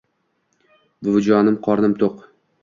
Buvijon qornim to‘q